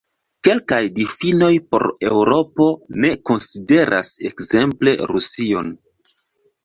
Kelkaj difinoj por Eŭropo ne konsideras ekzemple Rusion.